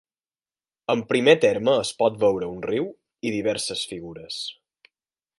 En primer terme es pot veure un riu i diverses figures.